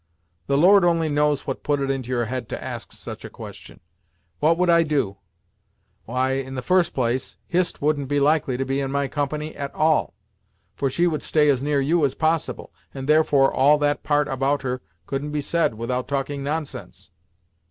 The Lord only knows what put it into your head to ask such a question. What would I do? Why, in the first place, Hist wouldn't be likely to be in my company at all, for she would stay as near you as possible, and therefore all that part about her couldn't be said without talking nonsense.